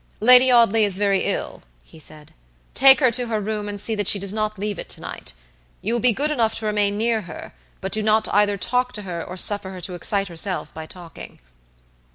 "Lady Audley is very ill," he said; "take her to her room and see that she does not leave it to night. You will be good enough to remain near her, but do not either talk to her or suffer her to excite herself by talking."